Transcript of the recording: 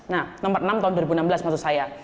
nah nomor enam tahun dua ribu enam belas maksud saya